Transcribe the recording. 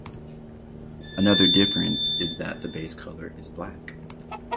Another difference is that the base color is black.